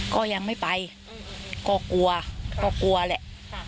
ก็ยังไม่ไปก็กลัวก็กลัวแหละ